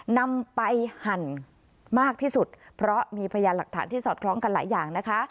นำไปหั่นมากที่สุดเพราะมีพยานหลักฐานที่สอดคล้องกันหลายอย่างนะคะ